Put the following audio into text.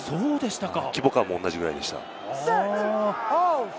規模感も同じぐらいでした。